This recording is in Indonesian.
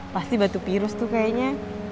pasti batu virus tuh kayaknya